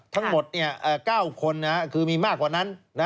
ทั้งหมด๙คนคือมีมากกว่านั้น